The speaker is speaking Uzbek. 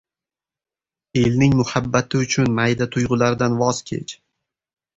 Elning muhabbati uchun mayda tuygʻulardan voz kech.